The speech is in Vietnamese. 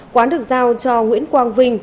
quán được giao cho nguyễn quang vinh